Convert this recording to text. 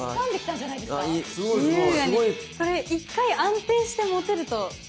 これ１回安定して持てると。